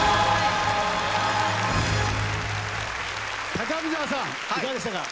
高見沢さんいかがでしたか？